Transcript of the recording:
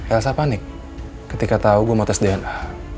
elsa panik ketika tau gue mau tes dna